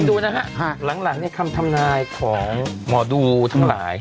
ดูนะฮะหลังในคำทำนายของหมอดูทั้งหลาย